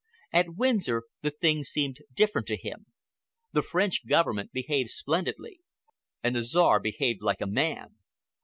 At Windsor the thing seemed different to him. The French Government behaved splendidly, and the Czar behaved like a man.